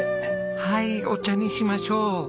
はいお茶にしましょう。